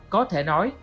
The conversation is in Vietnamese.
có thể nói